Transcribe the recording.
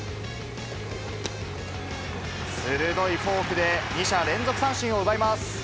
鋭いフォークで、２者連続三振を奪います。